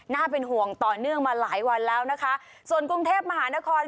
เป็นห่วงต่อเนื่องมาหลายวันแล้วนะคะส่วนกรุงเทพมหานคร